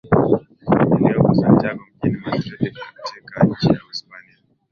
Iliyopo Santiago mjini Mdridi katika nchi ya Uhispania